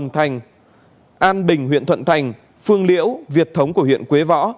thành an bình huyện thuận thành phương liễu việt thống của huyện quế võ